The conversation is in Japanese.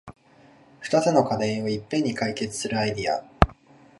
ふたつの課題をいっぺんに解決するアイデア